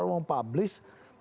kalau negara itu